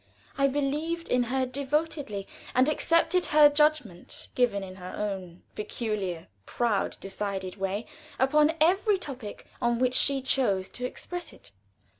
I believed in her devotedly, and accepted her judgment, given in her own peculiar proud, decided way, upon every topic on which she chose to express it.